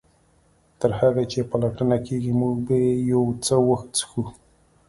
تر هغه چې پلټنه کیږي موږ به یو څه وڅښو